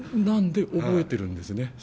なんで覚えてるんですね